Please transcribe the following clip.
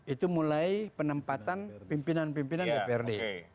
itu mulai penempatan pimpinan pimpinan dprd